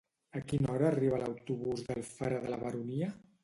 A quina hora arriba l'autobús d'Alfara de la Baronia?